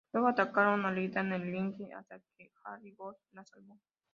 Luego atacaron a Lita en el ringside hasta que Hardy Boyz la salvó.